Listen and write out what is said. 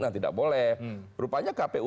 nah tidak boleh rupanya kpu